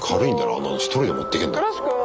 あんなの１人で持ってけんだ。ね。